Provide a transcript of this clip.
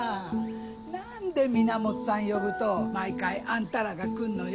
何で源さん呼ぶと毎回あんたらが来んのよ。